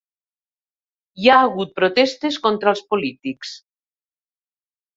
Hi ha hagut protestes contra els polítics.